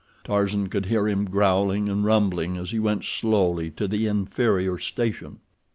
Tarzan could hear him growling and rumbling as he went slowly to the inferior station.